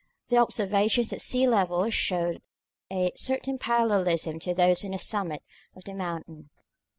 The observations at sea level showed a certain parallelism to those on the summit of the mountain.